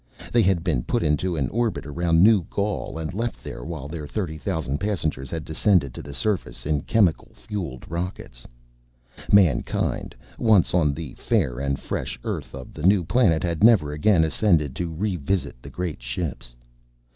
They had been put into an orbit around New Gaul and left there while their thirty thousand passengers had descended to the surface in chemical fuel rockets. Mankind, once on the fair and fresh earth of the new planet, had never again ascended to re visit the great ships.